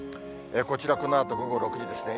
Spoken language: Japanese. こちら、このあと午後６時ですね。